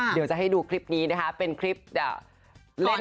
เดี๋ยวจะให้ดูคลิปนี้นะคะเป็นคลิปเล่นน้ำเหมือนกัน